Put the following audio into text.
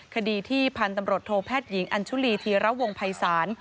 คดีที่พันธุ์ตำรวจโทแพทย์หญิงอัญชุลีธีระวงภัยศาล